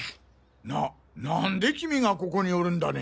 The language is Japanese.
な何で君がここにおるんだね！？